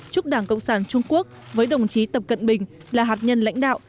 chúc đảng cộng sản trung quốc với đồng chí tập cận bình là hạt nhân lãnh đạo